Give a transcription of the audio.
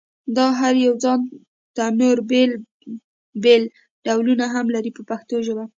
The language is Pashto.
دا هر یو ځانته نور بېل بېل ډولونه هم لري په پښتو ژبه.